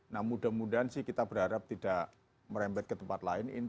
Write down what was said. nah mudah mudahan sih kita berharap tidak merembet ke tempat lain